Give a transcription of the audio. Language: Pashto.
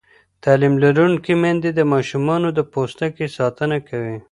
تعلیم لرونکې میندې د ماشومانو د پوستکي ساتنه کوي.